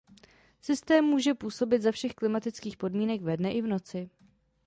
Systém může působit za všech klimatických podmínek ve dne i v noci.